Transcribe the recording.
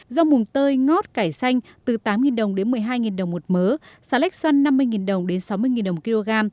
rau mùng tơi ngót cải xanh từ tám đồng đến một mươi hai đồng một mớ xà lách xoăn năm mươi đồng đến sáu mươi đồng một kg